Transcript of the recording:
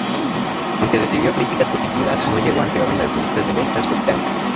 Aunque recibió críticas positivas, no llegó a entrar en las listas de ventas británicas.